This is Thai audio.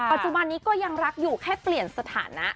ปัจจุบันนี้ก็ยังรักอยู่แค่เปลี่ยนสถานะ